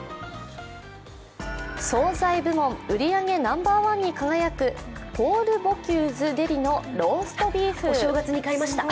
総菜部門、売り上げナンバーワンに輝くポール・ボキューズデリのローストビーフ。